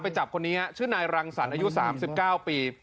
จับคนนี้ชื่อนายรังสรรค์อายุ๓๙ปี